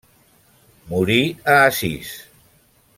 Morí a Assís.